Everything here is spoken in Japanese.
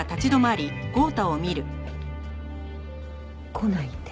来ないで。